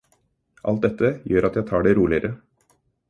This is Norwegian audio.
Alt dette gjør at jeg tar det roligere.